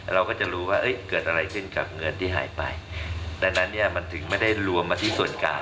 เราก็จะรู้ว่าเกิดอะไรขึ้นกับเงินที่หายไปดังนั้นเนี่ยมันถึงไม่ได้รวมมาที่ส่วนกลาง